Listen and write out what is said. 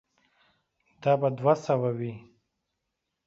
دا به دوه سوه وي.